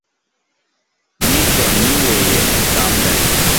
Ní kɔ ní wooyɛ utámbɛ́ɛ́.